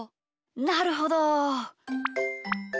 なるほど！